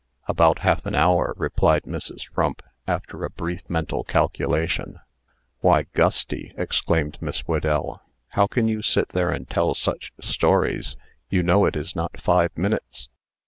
"About half an hour," replied Mrs. Frump, after a brief mental calculation. "Why, Gusty!" exclaimed Miss Whedell; "how can you sit there and tell such stories? You know it is not five minutes."